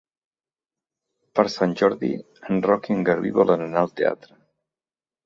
Per Sant Jordi en Roc i en Garbí volen anar al teatre.